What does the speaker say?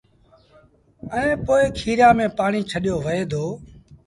ائيٚݩ پو کيريآݩ ميݩ پآڻيٚ ڇڏيو وهي دو